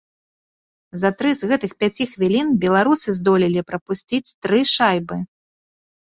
За тры з гэтых пяці хвілін беларусы здолелі прапусціць тры шайбы.